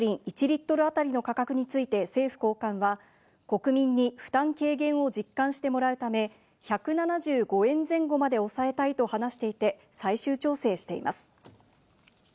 レギュラーガソリン１リットル当たりの価格について政府高官は国民に負担軽減を実感してもらうため、１７５円前後まで抑えたいと話していて、最終調整しています。